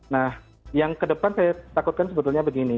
nah yang kedepan saya takutkan sebetulnya begini